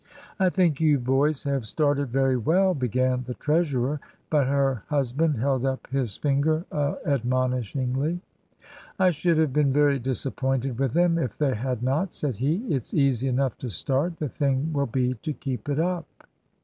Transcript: "I think you boys have started very well," began the treasurer, but her husband held up his finger admonishingly. "I should have been very disappointed with them if they had not," said he. "It's easy enough to start, the thing will be to keep it up."